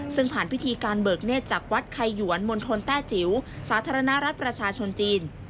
ซึ่งผ่านพิธีการเบิกเนธจากวัดไขหยวนมณฑลแต้จิ๋วสาธารณรัฐประชาชนจีน